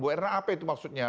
bu erna apa itu maksudnya